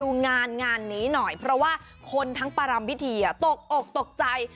ดูงานงานนี้หน่อยเพราะว่าคนทั้งประรำพิธีตกอกตกใจ